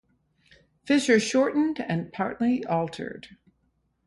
Fischer shortened and partly altered.